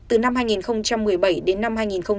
từ năm hai nghìn một mươi bảy đến năm hai nghìn một mươi bảy